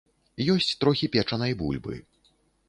Ёсць трохі печанай бульбы.